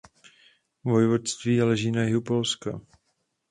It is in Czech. Vojvodství leží na jihu Polska.